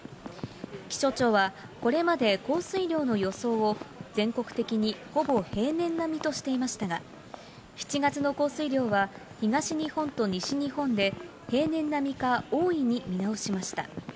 気象庁はこれまで降水量の予想を全国的にほぼ平年並みとしていましたが、７月の降水量は、東日本と西日本で平年並みか多いに見直しました。